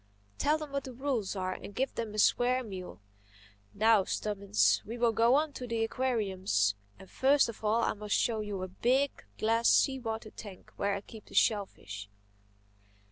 Tell them what the rules are and give them a square meal—Now, Stubbins, we will go on to the aquariums. And first of all I must show you my big, glass, sea water tank where I keep the shellfish."